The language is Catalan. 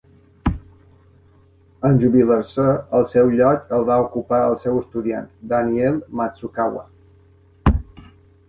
En jubilar-se, el seu lloc el va ocupar el seu estudiant, Daniel Matsukawa.